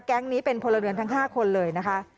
แก๊งนี้เป็นพลเรือนทั้ง๕คนเลยนะคะ